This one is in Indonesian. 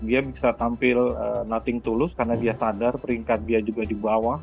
dia bisa tampil nothing touse karena dia sadar peringkat dia juga di bawah